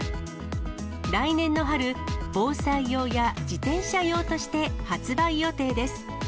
来年の春、防災用や自転車用として、発売予定です。